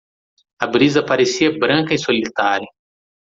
A brisa parecia branca e solitária.